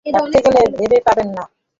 ভাবতে গেলে ভেবে পাবেন না।